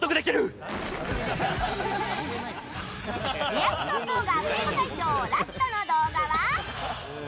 リアクション動画アフレコ大賞ラストの動画は。